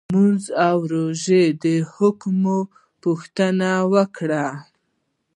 لمونځ او روژې د احکامو پوښتنه وکړي.